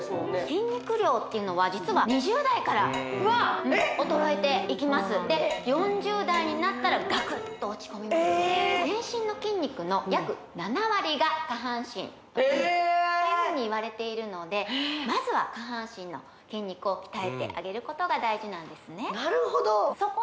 筋肉量っていうのは実は２０代から衰えていきますで４０代になったらガクッと落ち込みますえっ全身の筋肉ののでまずは下半身の筋肉を鍛えてあげることが大事なんですね